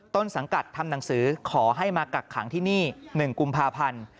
ต้นสังกัดทำหนังสือขอให้มากักขังที่นี่๑กุมภาพันธ์